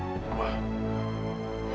kenapa malah papa pukul